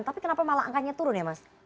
tapi kenapa malah angkanya turun ya mas